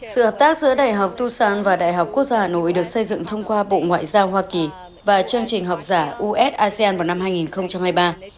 sự hợp tác giữa đại học tucson và đại học quốc gia hà nội được xây dựng thông qua bộ ngoại giao hoa kỳ và chương trình học giả us asean vào năm hai nghìn hai mươi ba